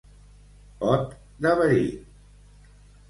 Pot de verí.